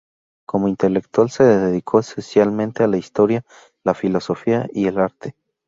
Como intelectual se dedicó esencialmente a la historia, la filosofía y el arte.